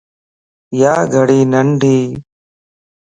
يا گھڙي ننڍيءَ